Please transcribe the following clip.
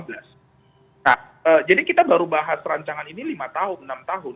nah jadi kita baru bahas rancangan ini lima tahun enam tahun